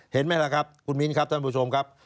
เห็นไหมล่ะครับคุณมิ้นครับท่านผู้ชมครับ